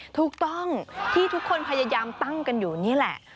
ถูกต้องที่ทุกคนพยายามตั้งกันอยู่นี่แหละ